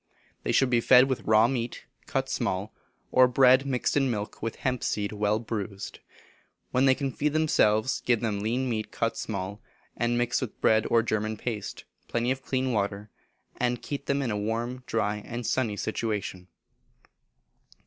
They should be fed with raw meat, cut small, or bread mixed in milk with hemp seed well bruised; when they can feed themselves give them lean meat cut small, and mixed with bread or German paste, plenty of clean water, and keep them in a warm, dry, and sunny situation.